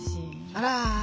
あら！